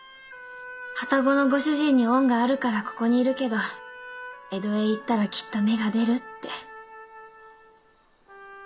旅籠のご主人に恩があるからここにいるけど江戸へ行ったらきっと芽が出るって。